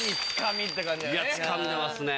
いやツカんでますねぇ。